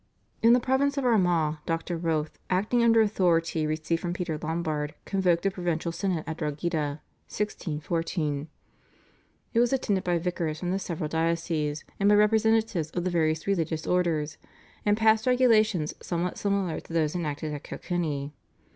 In the province of Armagh Dr. Rothe, acting under authority received from Peter Lombard, convoked a provincial synod at Drogheda (1614). It was attended by vicars from the several dioceses and by representatives of the various religious orders, and passed regulations somewhat similar to those enacted at Kilkenny.